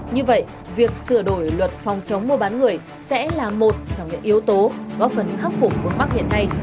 như vậy việc sửa đổi luật phòng chống mua bán người sẽ là một trong những yếu tố góp phần khắc phục vương mắc hiện nay